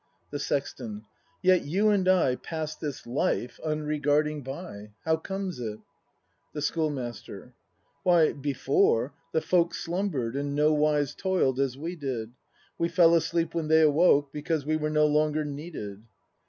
The Sexton. Yet you and I Pass this "life" unregarding by; How comes it ? The Schoolmaster. Why, before, the folk Slumber'd, and nowise toil'd, as we did; We fell asleep when they awoke. Because we were no longer needed.